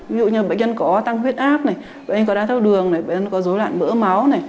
ví dụ như bệnh nhân có tăng huyết áp bệnh nhân có đa thác đường bệnh nhân có dối loạn mỡ máu